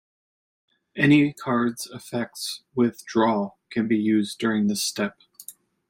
Any cards' effects with "Draw:" can be used during this step.